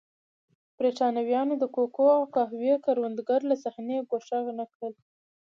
برېټانویانو د کوکو او قهوې کروندګر له صحنې ګوښه نه کړل.